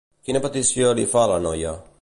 Quina petició li fa a la noia?